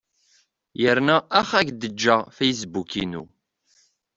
Yerna ax ad ak-d-ǧǧeɣ fasebbuk-inu.